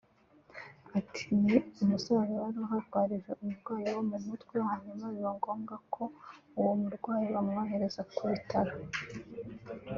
Ati “Ni umusaza wari uharwarije umurwayi wo mu mutwe hanyuma biba ngombwa ko uwo murwayi bamwohereza ku bitaro